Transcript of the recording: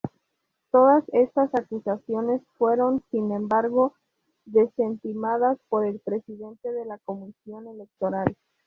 Todas estas acusaciones fueron, sin embargo, desestimadas por el Presidente de la Comisión Electoral.